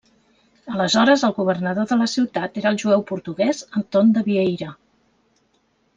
Aleshores el governador de la ciutat era el jueu portuguès Anton de Vieira.